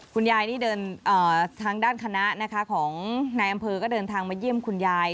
คุณยายนี่เดินทางทางด้านคณะนะคะของนายอำเภอก็เดินทางมาเยี่ยมคุณยาย